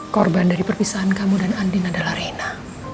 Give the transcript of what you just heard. korban dari perpisahan kamu dan andin adalah reina